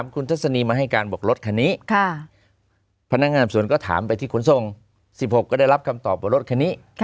คุณทัศนีมาให้การบอกรถคันนี้พนักงานสวนก็ถามไปที่ขนส่ง๑๖ก็ได้รับคำตอบว่ารถคันนี้